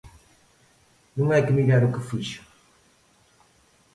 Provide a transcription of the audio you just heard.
Non hai que mirar o que fixo.